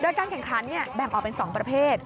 โดยการแข่งขันแบ่งออกเป็น๒ประเภท